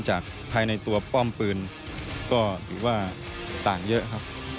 จากภายในตัวป้อมปืนก็ถือว่าต่างเยอะครับ